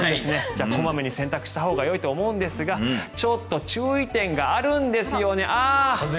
じゃあ、小まめに洗濯したほうがいいと思うんですがちょっと注意点があるんですよね。